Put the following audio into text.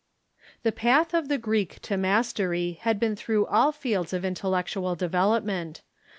The path of the Greek to mastery had been through all fields of intellectual development.